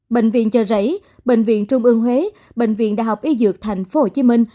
bệnh viện chờ rấy bệnh viện trung ương huế bệnh viện đại học y dược thành phố hồ chí minh